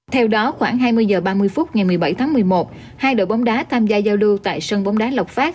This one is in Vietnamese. theo đó khoảng hai mươi h ba mươi phút ngày một mươi bảy tháng một mươi một hai đội bóng đá tham gia giao lưu tại sân bóng đá lộc phát